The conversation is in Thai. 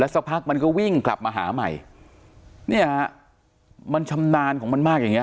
สักพักมันก็วิ่งกลับมาหาใหม่เนี่ยฮะมันชำนาญของมันมากอย่างเง